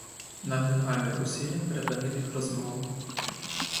Наглий гамір у сінях перепинив їх розмову.